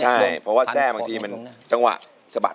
ใช่เพราะว่าแทร่บางทีมันจังหวะสะบัด